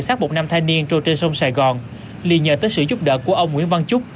sát bột nam thai niên trôi trên sông sài gòn lì nhờ tới sự giúp đỡ của ông nguyễn văn trúc